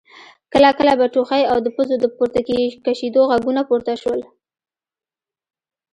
کله کله به ټوخی او د پزو د پورته کشېدو غږونه پورته شول.